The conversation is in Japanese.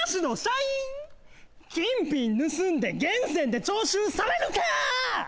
金品盗んで源泉で徴収されるか！